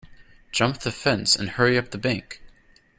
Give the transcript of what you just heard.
Jump the fence and hurry up the bank.